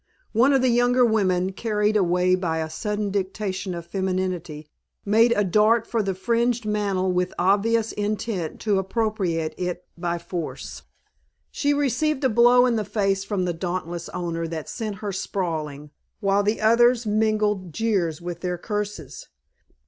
One of the younger women, carried away by a sudden dictation of femininity, made a dart for the fringed mantle with obvious intent to appropriate it by force. She received a blow in the face from the dauntless owner that sent her sprawling, while the others mingled jeers with their curses.